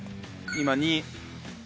今２。